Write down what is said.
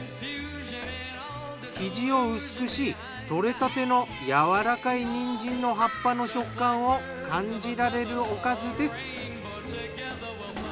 生地を薄くしとれたての柔らかいにんじんの葉っぱの食感を感じられるおかずです。